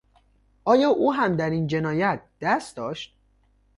آیا او هم در این جنایت دست داشت؟